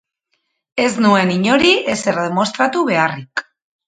Ez nuen inori ezer demostratu beharrik.